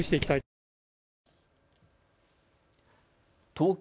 東京